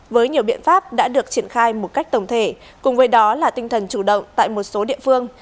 với nhiều biện pháp đã được triển khai một cách tổng thể cùng với đó là tinh thần chủ động tại một số địa phương